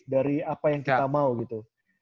dari apa yang kita mau gitu